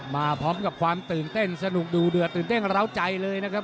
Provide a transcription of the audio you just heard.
มาพร้อมกับความตื่นเต้นสนุกดูเดือดตื่นเต้นร้าวใจเลยนะครับ